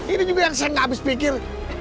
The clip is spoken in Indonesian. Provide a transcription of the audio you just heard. ini juga yang saya gak habis pikir